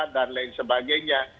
dan lain sebagainya